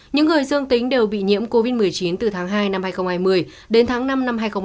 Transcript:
những người dương tính đều bị nhiễm covid một mươi chín từ tháng hai năm hai nghìn hai mươi đến tháng năm năm hai nghìn hai mươi